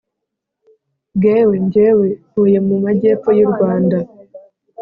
- gewe / ngewe ntuye mu magepfo y‟u rwanda.